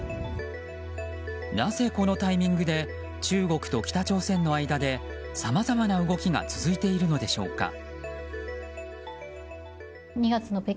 なぜこのタイミングで中国と北朝鮮の間でさまざまな動きが続いているのでしょうか。